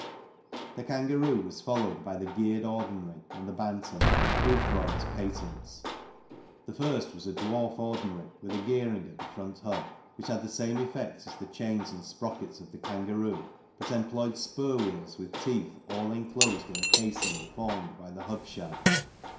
The Kangaroo was followed by the geared ordinary and the Bantam, Boothroyd's patents. The first was a dwarf ordinary with a gearing in the front hub, which had the same effect as the chains and sprockets of the 12 THE CYCLE INDUSTRY Kangaroo, but employed spur wheels with teeth all enclosed in a casing formed by the hub shell.